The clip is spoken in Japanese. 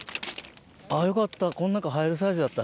あぁよかったこの中入るサイズやった。